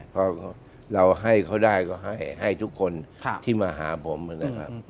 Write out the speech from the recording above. เพราะเราให้เขาได้ก็ให้ทุกคนที่มาหาผมนะครับ